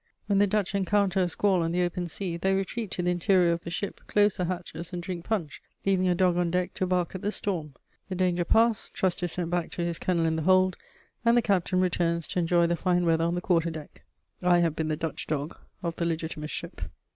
When the Dutch encounter a squall on the open sea, they retreat to the interior of the ship, close the hatches, and drink punch, leaving a dog on deck to bark at the storm; the danger past, Trust is sent back to his kennel in the hold, and the captain returns to enjoy the fine weather on the quarter deck. I have been the Dutch dog of the Legitimist ship.